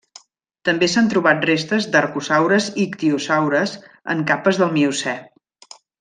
També s'han trobat restes d'arcosaures i ictiosaures en capes del Miocè.